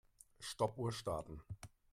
Stoppuhr starten.